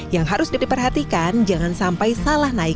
yang harus diperhatikan jangan sampai salah naik